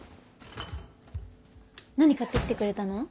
何買ってきてくれたの？